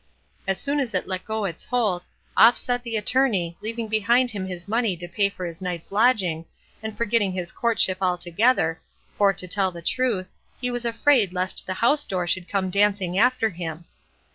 As soon as it let go its hold, off set the Attorney, leaving behind him his money to pay for his night's lodging, and forgetting his courtship altogether, for to tell the truth, he was afraid lest the house door should come dancing after him.